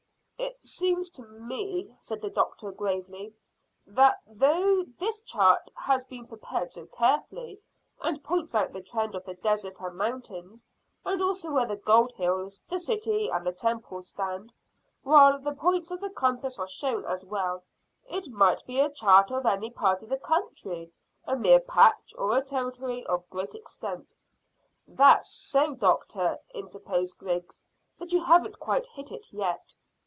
"It seems to me," said the doctor gravely, "that though this chart has been prepared so carefully, and points out the trend of the deserts and mountains, and also where the gold hills, the city, and the temple stand, while the points of the compass are shown as well, it might be a chart of any part of the country, a mere patch, or a territory of great extent." "That's so, doctor," interposed Griggs; "but you haven't quite hit it yet."